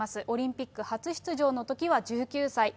オリンピック初出場のときは１９歳。